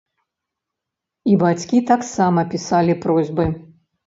І бацькі таксама пісалі просьбы.